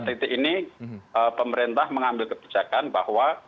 pada titik ini pemerintah mengambil kebijakan bahwa